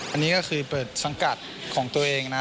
อันนี้ก็คือเปิดสังกัดของตัวเองนะ